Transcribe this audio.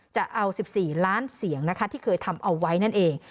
จะเอา๑๔ล้านเสียงนะคะที่เคยทำเอาไว้นั่นเอง